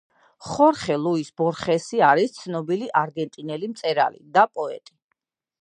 ხორხე ლუის ბორხესი არის ცნობილი არგენტინელი მწერალი და პოეტი.